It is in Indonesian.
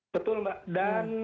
betul mbak dan